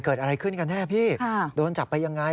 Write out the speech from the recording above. เกิดอะไรขึ้นกันแน่พี่โดนจับไปยังไง